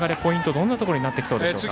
どんなところになってきそうでしょうか。